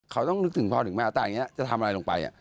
เขาต้องนึกถึงพ่อถึงแมวตายอย่างนี้จะทำอะไรลงไป